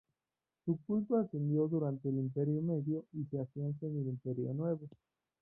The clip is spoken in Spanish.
Su culto ascendió durante el Imperio Medio y se afianza en el Imperio Nuevo.